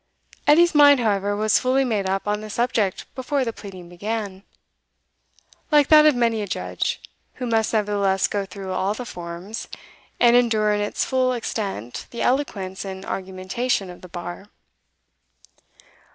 Edie's mind, however, was fully made up on the subject before the pleading began; like that of many a judge, who must nevertheless go through all the forms, and endure in its full extent the eloquence and argumentation of the Bar.